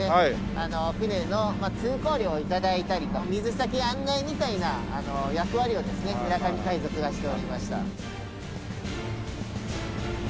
船の通行料を頂いたりと水先案内みたいな役割をですね村上海賊がしておりました。